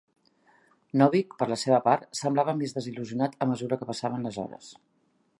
Novick, per la seva part, semblava més desil·lusionat a mesura que passaven les hores.